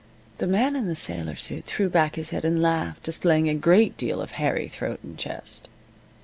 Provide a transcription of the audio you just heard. The man in the sailor suit threw back his head and laughed, displaying a great deal of hairy throat and chest.